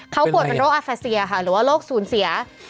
เค้าป่วยเป็นโรคเอริพาษีหรือว่าโรคสูญเสีย